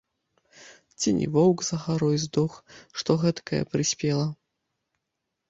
Ці не воўк за гарой здох, што гэткае прыспела?